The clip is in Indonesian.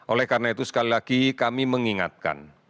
oleh karena itu sekali lagi kami mengingatkan